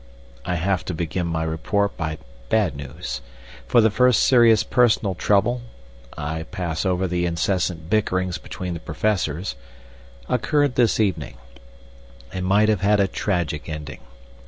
I have to begin my report by bad news, for the first serious personal trouble (I pass over the incessant bickerings between the Professors) occurred this evening, and might have had a tragic ending.